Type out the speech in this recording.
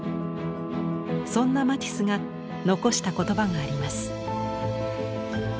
そんなマティスが残した言葉があります。